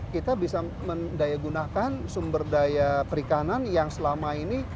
kita bisa mendayagunakan sumber daya perikanan yang selama ini